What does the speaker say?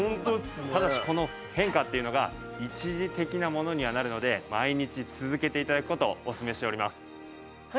ただしこの変化っていうのが一時的なものにはなるので毎日続けて頂く事をおすすめしております。